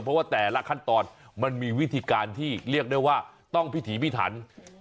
เพราะว่าแต่ละขั้นตอนมันมีวิธีการที่เรียกได้ว่าต้องพิถีพิถัน